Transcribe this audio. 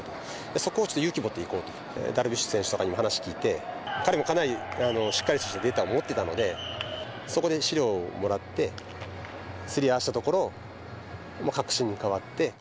そこを勇気持っていこうと、ダルビッシュ選手とかに話聞いて、彼もかなりしっかりしたデータを持ってたので、そこで資料をもらって、すり合せたところ、確信に変わって。